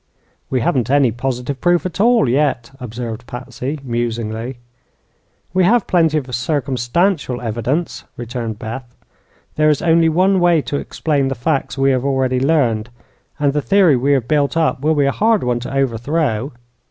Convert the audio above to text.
"We haven't any positive proof at all, yet," observed Patsy, musingly. "We have plenty of circumstantial evidence," returned Beth. "There is only one way to explain the facts we have already learned, and the theory we have built up will be a hard one to overthrow.